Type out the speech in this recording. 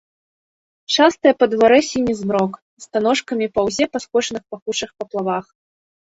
Шастае па дварэ сіні змрок, станожкамі паўзе па скошаных пахучых паплавах.